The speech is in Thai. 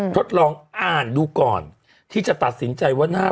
ทดลองอ่านดูก่อนที่จะตัดสินใจว่าหน้า